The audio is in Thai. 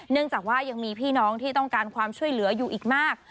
จากว่ายังมีพี่น้องที่ต้องการความช่วยเหลืออยู่อีกมาก